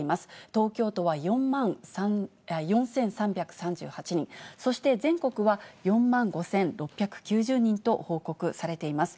東京都は４３３８人、そして全国は４万５６９０人と報告されています。